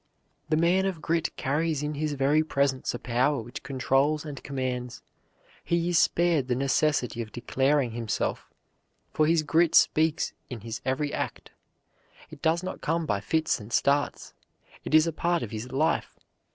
The man of grit carries in his very presence a power which controls and commands. He is spared the necessity of declaring himself, for his grit speaks in his every act. It does not come by fits and starts, it is a part of his life.